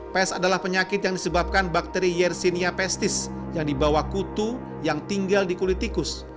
pes adalah penyakit yang disebabkan bakteri yersinia pestis yang dibawa kutu yang tinggal di kulit tikus